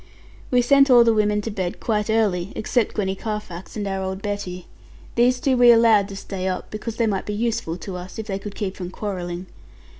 We sent all the women to bed quite early, except Gwenny Carfax and our old Betty. These two we allowed to stay up, because they might be useful to us, if they could keep from quarreling.